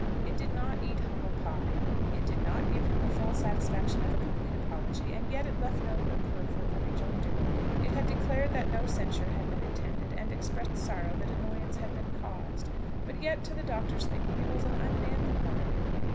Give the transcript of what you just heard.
It did not eat "humble pie;" it did not give him the full satisfaction of a complete apology; and yet it left no room for a further rejoinder. It had declared that no censure had been intended, and expressed sorrow that annoyance had been caused. But yet to the Doctor's thinking it was an unmanly letter.